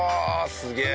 すげえ！